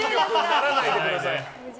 ならないでください。